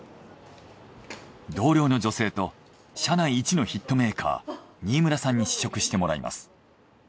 同僚の女性と社内一のヒットメーカー新村さんに試食してもらいます。